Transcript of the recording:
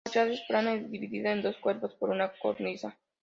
Su fachada es plana y dividida en dos cuerpos por una cornisa.